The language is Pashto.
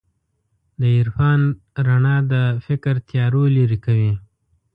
د عرفان رڼا د فکر تیارو لېرې کوي.